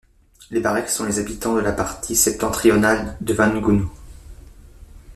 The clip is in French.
Les Bareke sont les habitants de la partie septentrionale de Vangunu.